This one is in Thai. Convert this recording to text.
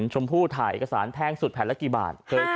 ชมพู่ถ่ายเอกสารแพงสุดแผ่นละกี่บาท